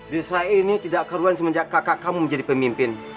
desa ini tidak keruan semenjak kakak kamu menjadi pemimpin